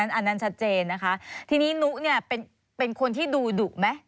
อันนั้นชัดเจนนะคะทีนี้นุเนี่ยเป็นคนที่ดูดุไหม